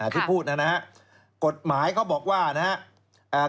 ที่พูดนะครับกฎหมายเขาบอกว่านะครับ